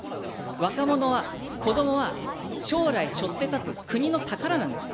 若者は、子どもは、将来しょって立つ国の宝なんです。